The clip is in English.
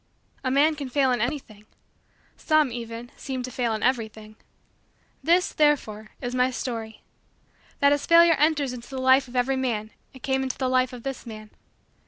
A man can fail in anything. Some, even, seem to fail in everything. This, therefore, is my story: that as Failure enters into the life of every man it came into the life of this man.